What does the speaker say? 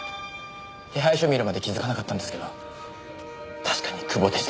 手配書見るまで気づかなかったんですけど確かに久保でした。